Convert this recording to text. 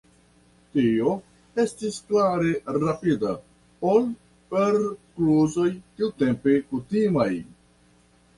Tio estis klare rapida ol per kluzoj tiutempe kutimaj.